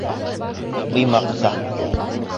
Быйма ҡыҫа